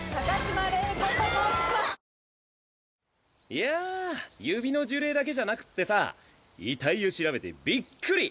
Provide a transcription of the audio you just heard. いや指の呪霊だけじゃなくってさ遺体を調べてびっくり！